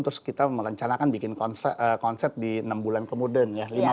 terus kita merencanakan bikin konsep di enam bulan kemudian ya